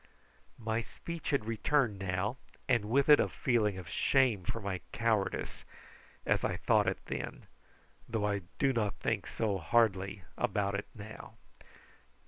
My speech had returned now, and with it a feeling of shame for my cowardice, as I thought it then, though I do not think so hardly about it now.